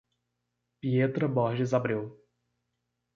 Pietra Borges Abreu